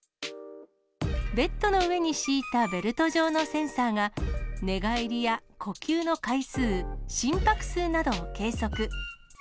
ベッドの上に敷いたベルト状のセンサーが、寝返りや呼吸の回数、心拍数などを計測。